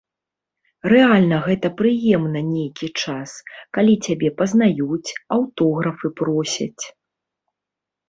Рэальна гэты прыемна нейкі час, калі цябе пазнаюць, аўтографы просяць.